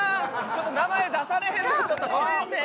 ちょっと名前出されへんちょっとごめんね。